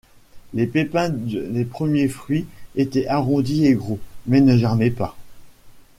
Les pépins des premiers fruits étaient arrondis et gros, mais ne germaient pas.